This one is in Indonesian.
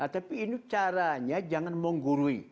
tapi ini caranya jangan menggurui